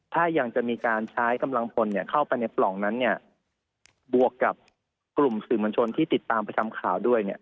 ถ้ายังจะมีการใช้กำลังพลเข้าไปในปล่องนั้นเนี่ยบวกกับกลุ่มสื่อมวลชนที่ติดตามประจำข่าวด้วยเนี่ย